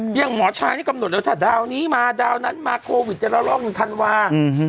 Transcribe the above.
อย่างหมอชายนี่กำหนดเลยถ้าดาวนี้มาดาวนั้นมาโควิดจะละรอบหนึ่งธันวา